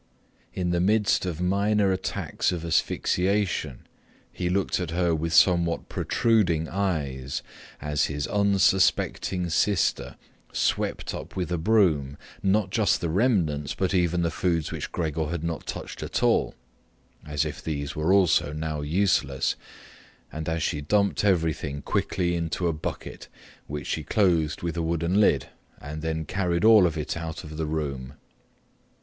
In the midst of minor attacks of asphyxiation, he looked at her with somewhat protruding eyes, as his unsuspecting sister swept up with a broom, not just the remnants, but even the foods which Gregor had not touched at all, as if these were also now useless, and as she dumped everything quickly into a bucket, which she closed with a wooden lid, and then carried all of it out of the room.